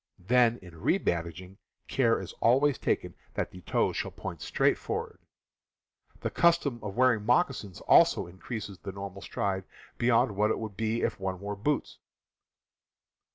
Then, in rebandaging, care is always taken that the toes shall point straight forward. FOREST TRAVEL 181 The custom of wearing moccasins also increases the normal stride beyond what it would be if one wore boots.